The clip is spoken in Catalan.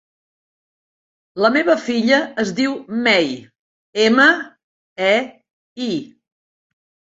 La meva filla es diu Mei: ema, e, i.